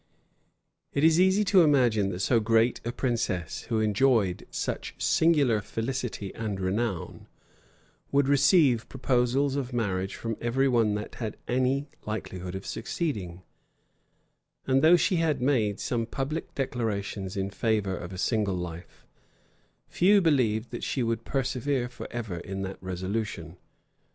It is easy to imagine that so great a princess, who enjoyed such singular felicity and renown, would receive proposals of marriage from every one that had any likelihood of succeeding; and though she had made some public declarations in favor of a single life, few believed that she would persevere forever in that resolution.